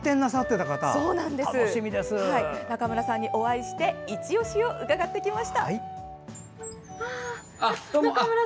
中村さんにお会いしていちオシを伺ってきました。